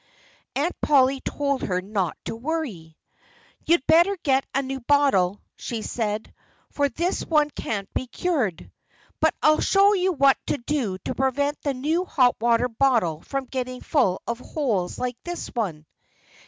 Aunt Polly told her not to worry. "You'd better get a new bottle," she said, "for this one can't be cured. But I'll show you what to do to prevent the new hot water bottle from getting full of holes like this one....